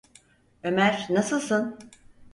Ömer, nasılsın?